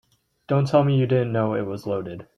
Don't tell me you didn't know it was loaded.